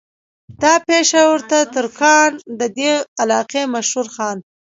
دا پېشه ور ترکاڼ د دې علاقې مشهور خان